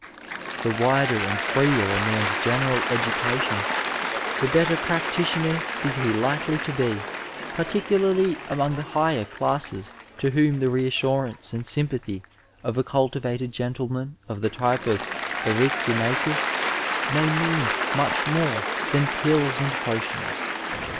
The wider and freer a man's general education the better practitioner is he likely to be, parti cularly among the higher classes to whom the reassurance and sympathy of a cultivated gentleman of the type of Eryadmachus, may mean much more than pills and po tions.